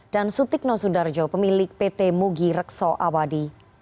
dan sutikno sundarjo pemilik pt mugi rekso awadi